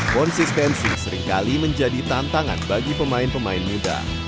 konsistensi seringkali menjadi tantangan bagi pemain pemain muda